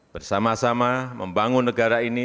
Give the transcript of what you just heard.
bersama sama membangun negara ini